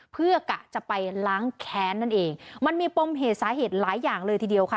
เพื่อกะจะไปล้างแค้นนั่นเองมันมีปมเหตุสาเหตุหลายอย่างเลยทีเดียวค่ะ